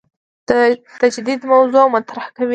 د تجدید موضوع مطرح کوي.